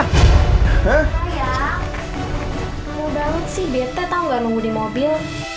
kamu banget sih bete tau gak nunggu di mobil